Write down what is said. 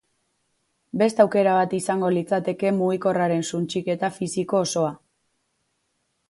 Beste aukera bat izango litzateke mugikorraren suntsiketa fisiko osoa.